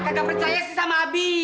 gak percaya sih sama abi